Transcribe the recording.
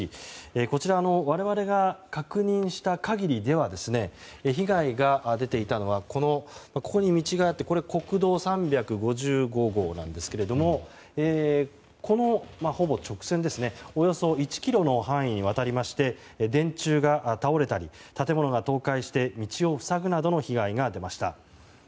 こちらは我々が確認した限りでは被害が出ていたのはここに道があって国道３５５号なんですがおよそ１ｋｍの範囲にわたりまして、電柱が倒れたり建物が倒壊して道を塞ぐなどの被害が出ました。